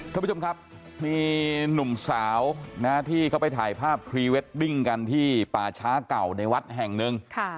ท่านผู้ชมครับมีหนุ่มสาวที่เขาไปถ่ายภาพพรีเวดดิ้งกันที่ป่าช้าเก่าในวัดแห่งหนึ่ง